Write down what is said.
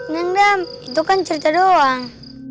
nanda itu kan cerita doang